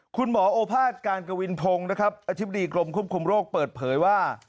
คุณหมอโอภาษการกวินพงศ์อธิบดีกรมควบคุมโรคเปิดเผยว่า